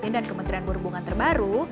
dan kementerian berhubungan terbaru